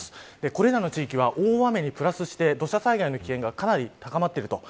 これらの地域は大雨にプラスして土砂災害の危険がかなり高まっていると。